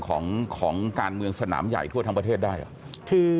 ของของการเมืองสนามใหญ่ทั่วทั้งประเทศได้เหรอคือ